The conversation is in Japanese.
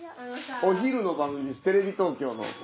お昼の番組ですテレビ東京の。